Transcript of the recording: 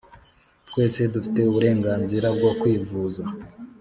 Twese dufite uburenganzira bwo kwivuza.